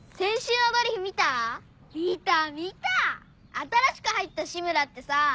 新しく入った志村ってさ。